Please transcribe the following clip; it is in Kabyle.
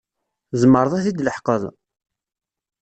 Tzemreḍ ad t-id-leḥqeḍ?